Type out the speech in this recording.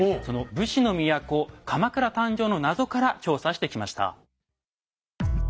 その武士の都鎌倉誕生の謎から調査してきました。